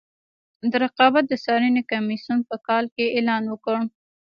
د رقابت د څارنې کمیسیون په کال کې اعلان وکړ.